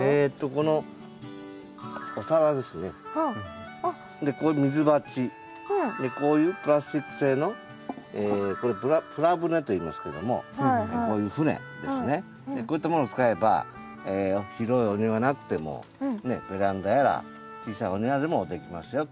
こういう水鉢こういうプラスチック製のこれプラ舟といいますけどもこういう舟ですねこういったものを使えば広いお庭なくてもベランダやら小さいお庭でもできますよっていうことですね。